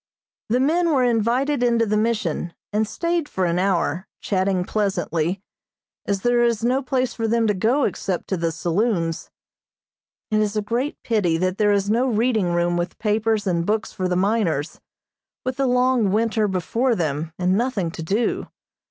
The men were invited into the Mission, and stayed for an hour, chatting pleasantly, as there is no place for them to go except to the saloons. It is a great pity that there is no reading room with papers and books for the miners, with the long winter before them, and nothing to do.